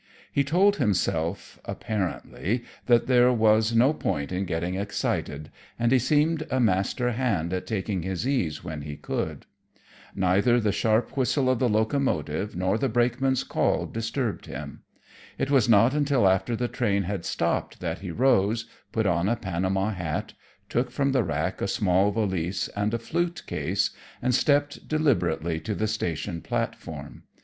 He told himself, apparently, that there was no point in getting excited; and he seemed a master hand at taking his ease when he could. Neither the sharp whistle of the locomotive nor the brakeman's call disturbed him. It was not until after the train had stopped that he rose, put on a Panama hat, took from the rack a small valise and a flute case, and stepped deliberately to the station platform.